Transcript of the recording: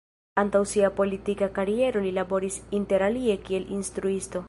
Antaŭ sia politika kariero li laboris interalie kiel instruisto.